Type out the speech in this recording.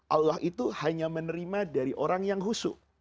allah itu hanya menerima dari orang yang husu